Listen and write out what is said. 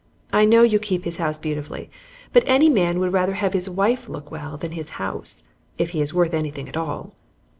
I know you keep his house beautifully, but any man would rather have his wife look well than his house, if he is worth anything at all."